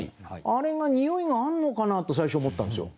あれがにおいがあんのかな？と最初思ったんですよ。